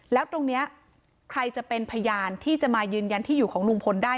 แล้วตรงนี้ใครจะเป็นพยานที่จะมายืนยันที่อยู่ของลุงพลได้